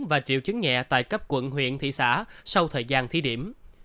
và triệu chứng nhẹ tại cấp quận huyện thị xã sau thời gian thí điểm